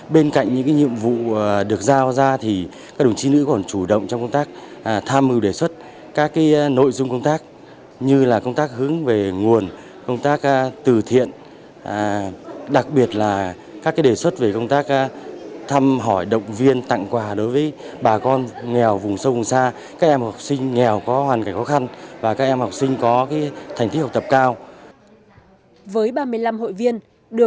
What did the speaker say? bên cạnh những nhiệm vụ được giao ra thì các đồng chí nữ còn chủ động trong công tác tham mưu đề xuất các nội dung công tác như là công tác hướng về nguồn công tác từ thiện đặc biệt là các đề xuất về công tác thăm hỏi động viên tặng quà đối với bà con nghèo vùng sâu vùng xa các em học sinh nghèo có hoàn cảnh khó khăn và các em học sinh có thành tích học tập cao